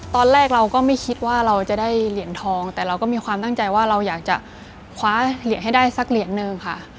ตอนแรกเราก็ไม่คิดว่าเราจะได้เหรียญทองแต่เราก็มีความตั้งใจว่าเราอยากจะคว้าเหรียญให้ได้สักเหรียญนึงค่ะ